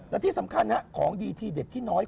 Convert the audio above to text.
และที่สำคัญของดีทีเด็ดที่น้อย